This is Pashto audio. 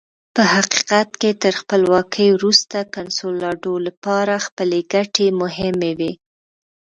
په حقیقت کې تر خپلواکۍ وروسته کنسولاډو لپاره خپلې ګټې مهمې وې.